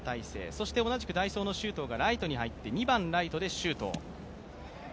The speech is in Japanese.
そして同じく代走の周東がライトに入って２番ライト・周東。